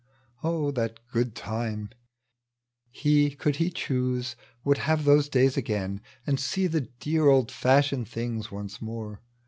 O that good time ! He, could he choose, would have those days again, And see the dear old fashioned things once more.